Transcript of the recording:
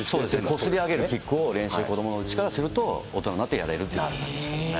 こすり上げるキックを練習、子どものうちからすると、大人になってやれるということですね。